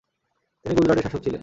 তিনি গুজরাটের শাসক ছিলেন।